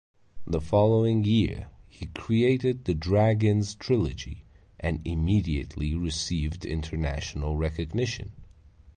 The following year, he created "The Dragons' Trilogy" and immediately received international recognition.